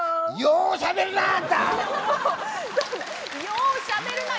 「ようしゃべるな」